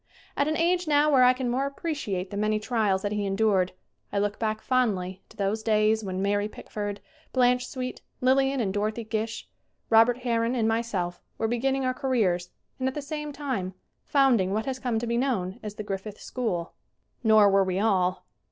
At an age now where I can more appreciate the many trials that he endured I look back fondly to those days when Mary Pickford, Blanche Sweet, Lillian and Dorothy Gish, Robert Har ron, and myself were beginning our careers and at the same time founding what has come to be known as the Griffith school. 109 110 SCREEN ACTING Nor were we all.